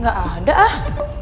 tidak ada ah